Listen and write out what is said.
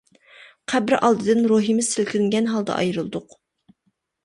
قەبرە ئالدىدىن روھىمىز سىلكىنگەن ھالدا ئايرىلدۇق.